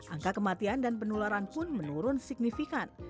angka kematian dan penularan pun menurun signifikan